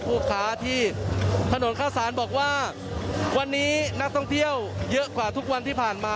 ลูกค้าที่ถนนข้าวสารบอกว่าวันนี้นักท่องเที่ยวเยอะกว่าทุกวันที่ผ่านมา